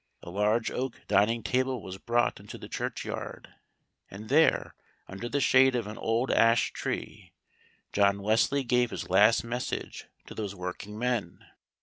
A large oak dining table was brought into the churchyard, and there, under the shade of an old ash tree, John Wesley gave his last message to those working men.